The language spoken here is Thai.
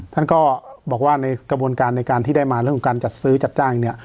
ท่านก็บอกว่าในกระบวนการในการที่ได้มาเรื่องของการจัดซื้อจัดจ้างเนี่ย